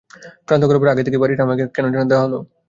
ক্লান্ত গলায় বললেন, আগে দেখি, বাড়িটা আমাকে কেন দেয়া হল।